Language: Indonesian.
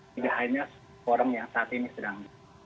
tidak hanya orang yang saat ini sedang